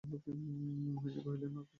মহিষী কহিলেন, আর কিছুদিন সবুর করো বাছা।